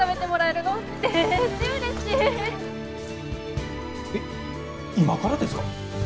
えっ今からですか？